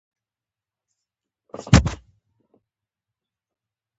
نوم دې څه ده؟